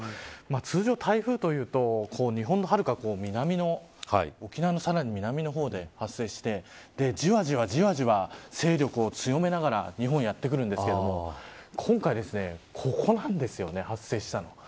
通常、台風というと日本のはるか南の沖縄のさらに南の方で発生してじわじわ勢力を強めながら日本にやって来るんですけど今回ここなんですよね発生したの。